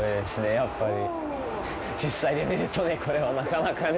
やっぱり実際に見るとこれはなかなかね。